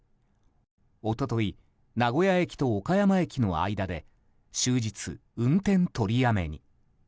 一昨日、名古屋駅と岡山駅の間で終日、運転取りやめに。